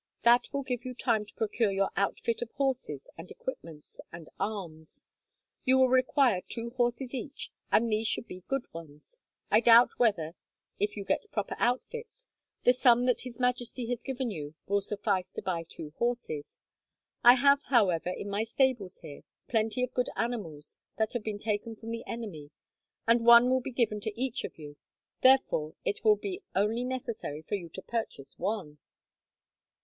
That will give you time to procure your outfit of horses and equipments and arms. You will require two horses each, and these should be good ones. I doubt whether, if you get proper outfits, the sum that His Majesty has given you will suffice to buy two horses. I have, however, in my stables here, plenty of good animals that have been taken from the enemy, and one will be given to each of you. Therefore, it will be only necessary for you to purchase one.